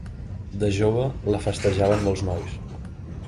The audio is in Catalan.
De jove, la festejaven molts nois.